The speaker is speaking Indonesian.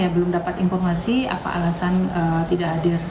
belum dapat informasi apa alasan tidak hadir